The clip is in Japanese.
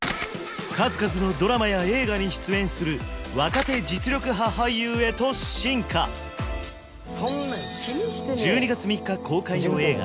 数々のドラマや映画に出演する若手実力派俳優へと進化１２月３日公開の映画